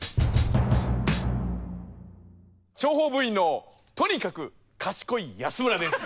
諜報部員のとにかく賢い安村です。